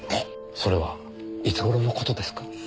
それはいつ頃の事ですか？